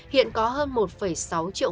hiện có hơn một sáu triệu